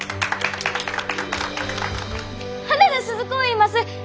花田鈴子いいます！